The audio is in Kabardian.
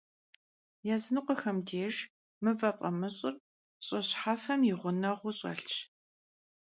Yazınıkhuexem dêjj mıve f'amış'ır ş'ı şhefem yi ğuneğuu ş'elhş.